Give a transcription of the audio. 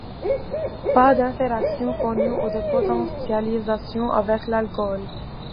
Pas d'interactions connues ou de potentialisation avec l'alcool.